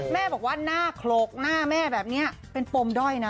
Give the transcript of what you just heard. แม่บอกว่าหน้าโขลกหน้าแม่แบบนี้เป็นปมด้อยนะ